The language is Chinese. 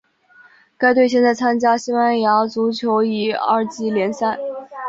该队现在参加西班牙足球乙二级联赛。